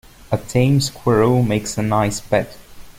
A tame squirrel makes a nice pet.